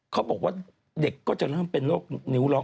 เขาบอกว่าเด็กก็จะเริ่มเป็นโรคนิ้วล็อก